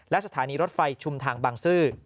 และสถานีรถไฟชุมทางบางซื่อ